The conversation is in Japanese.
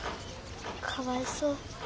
かわいそう。